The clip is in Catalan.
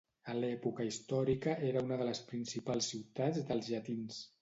A l'època històrica era una de les principals ciutats dels llatins.